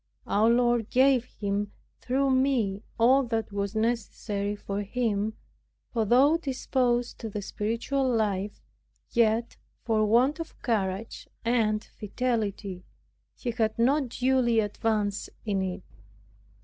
Our Lord gave him through me all that was necessary for him; for though disposed to the spiritual life, yet for want of courage and fidelity he had not duly advanced in it.